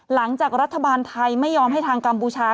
หลังจากรัฐบาลไทยไม่ยอมให้ทางกัมพูชา